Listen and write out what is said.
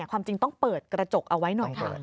ความจริงต้องเปิดกระจกเอาไว้หน่อยค่ะ